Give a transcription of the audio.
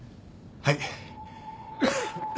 はい。